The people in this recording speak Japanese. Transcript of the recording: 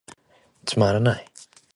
つまらない、癈せばいゝのにと思つた。